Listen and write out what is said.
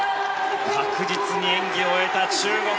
確実に演技を終えた中国。